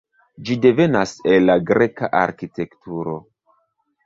Ĝi devenas el la greka arkitekturo.